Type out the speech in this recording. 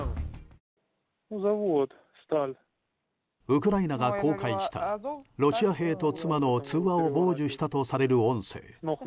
ウクライナが公開したロシア兵と妻の通話を傍受したとされる音声。